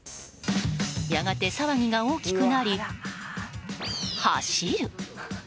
やがて騒ぎが大きくなり走る！